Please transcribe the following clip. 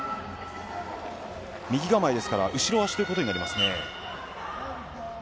右構えですから後ろ足ということになりますね。